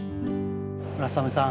村雨さん